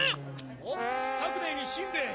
おっ作兵衛にしんべヱ！